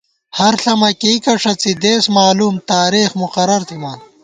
ہر ݪمہ کېئیکہ ݭڅی دېس مالُوم، تارېخ مقرر تھِمان